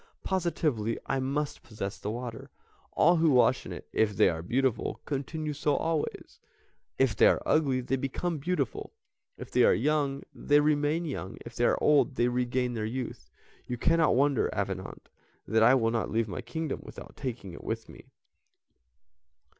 Positively I must possess the water; all who wash in it, if they are beautiful, continue so always, if they are ugly they become beautiful; if they are young they remain young, if they are old they regain their youth. You cannot wonder, Avenant, that I will not leave my kingdom without taking it with me."